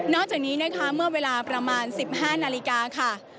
นอกจากนี้เมื่อเวลาประมาณ๑๕นาฬิกา